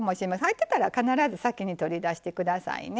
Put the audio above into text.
入ってたら必ず先に取り出してくださいね。